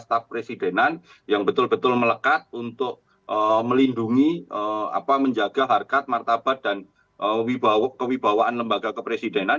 staf presidenan yang betul betul melekat untuk melindungi menjaga harkat martabat dan kewibawaan lembaga kepresidenan